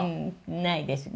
ないですね。